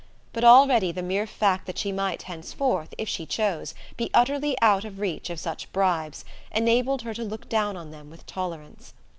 But already the mere fact that she might henceforth, if she chose, be utterly out of reach of such bribes, enabled her to look down on them with tolerance.